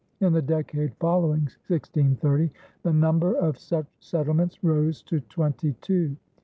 In the decade following 1630 the number of such settlements rose to twenty two.